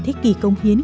thế kỷ công hiến